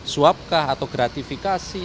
suapkah atau gratifikasi